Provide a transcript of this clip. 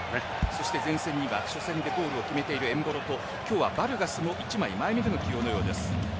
そして前線には初戦でゴールを決めているエムボロとヴァルガスの１枚前めでの起用のようです。